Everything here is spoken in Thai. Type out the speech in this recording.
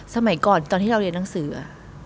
สมัยก่อนตอนที่เราเรียนหนังสือ